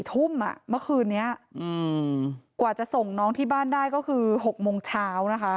ทุ่มเมื่อคืนนี้กว่าจะส่งน้องที่บ้านได้ก็คือ๖โมงเช้านะคะ